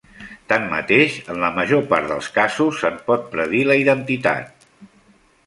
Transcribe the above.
Tanmateix en la major part dels casos se'n pot predir la identitat.